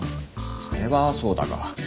それはそうだが。